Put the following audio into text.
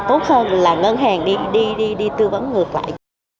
tốt hơn là ngân hàng đi tư vấn ngược lại